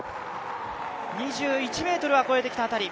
２１ｍは越えてきた辺り。